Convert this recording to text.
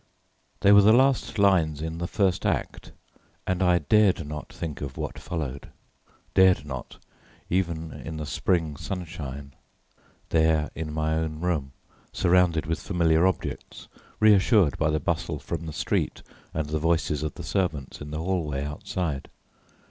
They were the last lines in the first act, and I dared not think of what followed dared not, even in the spring sunshine, there in my own room, surrounded with familiar objects, reassured by the bustle from the street and the voices of the servants in the hallway outside.